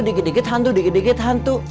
dikit dikit hantu dikit dikit hantu